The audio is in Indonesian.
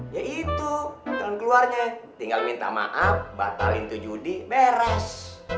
ya itu jalan keluarnya tinggal minta maaf batal itu judi beres